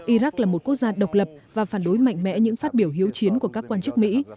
iraq là một quốc gia độc lập và phản đối mạnh mẽ những phát biểu hiếu chiến của các quan chức mỹ